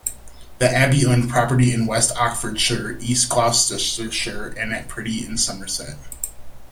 The Abbey owned property in west Oxfordshire, east Gloucestershire and at Priddy in Somerset.